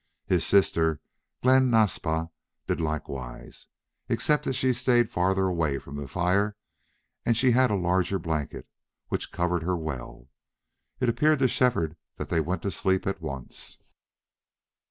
His sister, Glen Naspa, did likewise, except that she stayed farther away from the fire, and she had a larger blanket, which covered her well. It appeared to Shefford that they went to sleep at once.